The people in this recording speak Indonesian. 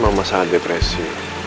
mama sangat depresi